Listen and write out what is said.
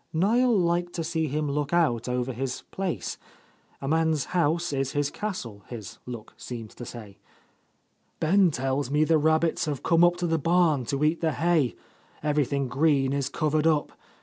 Niel liked to see him look out over his place. A man's house is his castle, his look seemed to say. "Ben tells me the rabbits have come up to the barn to eat the hay, everything green is covered up.